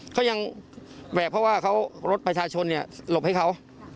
เขายังแหวกเพราะว่ารถประชาชนหลบให้เขา